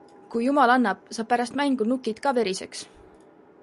Kui jumal annab, saab pärast mängu nukid ka veriseks.